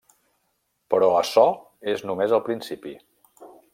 Però açò és només el principi.